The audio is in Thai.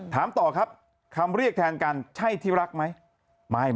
ถามต่อครับคำเรียกแทนกันใช่ที่รักไหม